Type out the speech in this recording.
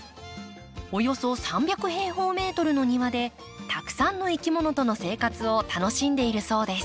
およそ３００平方メートルの庭でたくさんのいきものとの生活を楽しんでいるそうです。